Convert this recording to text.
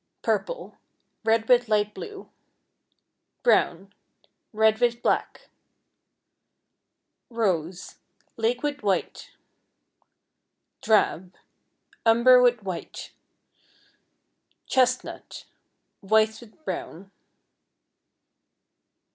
Purple, red with light blue. Brown, red with black. Rose, lake with white. Drab, umber with white. Chestnut, white with brown.